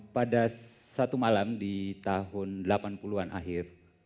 pada satu malam di tahun delapan puluh an akhir